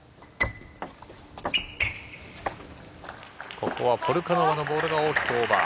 ここはポルカノバのボールが大きくオーバー。